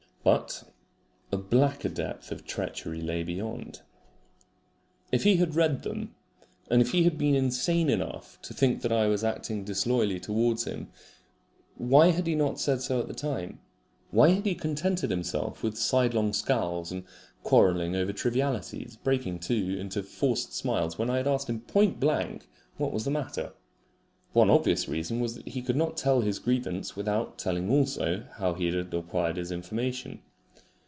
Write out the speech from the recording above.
But a blacker depth of treachery lay beyond. If he had read them, and if he had been insane enough to think that I was acting disloyally towards him, why had he not said so at the time? Why had he contented himself with sidelong scowls and quarrelling over trivialities breaking, too, into forced smiles when I had asked him point blank what was the matter? One obvious reason was that he could not tell his grievance without telling also how he had acquired his information.